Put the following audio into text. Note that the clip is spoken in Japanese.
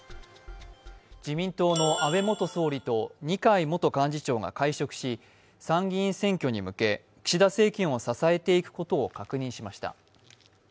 自民党の安倍元総理と二階元幹事長が会食し参議院選挙に向け岸田政権を支えていくことを確認しました。